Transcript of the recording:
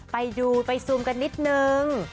ไปดูไปซูมกันนิดนึง